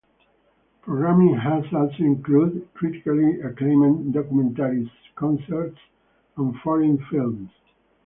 Programming has also included critically acclaimed documentaries, concerts, and foreign films.